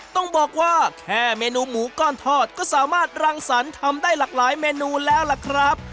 ต้องบอกว่าแค่เมนูหมูก้อนทอดก็สามารถรังสรรค์ทำได้หลากหลายเมนูแล้วล่ะครับ